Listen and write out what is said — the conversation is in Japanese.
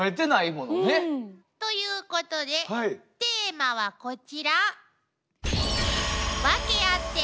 うん。ということでテーマはこちら。